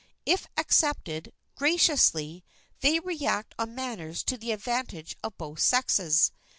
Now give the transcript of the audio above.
If accepted graciously they react on manners to the advantage of both sexes.